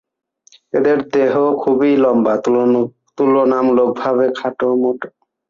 এদের দেহ খুবই লম্বা, তুলনামূলক ভাবে খাটো ও মোটা।